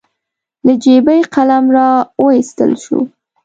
له جېبې قلم راواييستل شو.